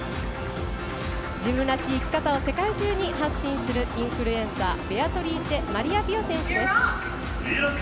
自分らしい生き方を世界中に発信するインフルエンサーベアトリーチェマリア・ビオ選手。